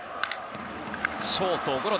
ショートゴロ。